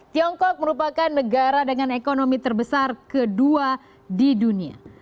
tiongkok merupakan negara dengan ekonomi terbesar kedua di dunia